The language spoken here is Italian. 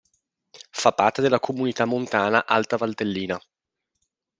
Fa parte della Comunità montana Alta Valtellina.